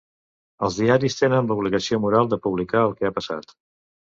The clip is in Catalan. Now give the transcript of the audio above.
Els diaris tenen l'obligació moral de publicar el que ha passat.